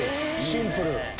シンプル。